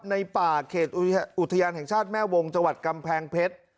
ในป่าเขตอุทยานแห่งชาติแม่วงจังหวัดกำแพงเพชร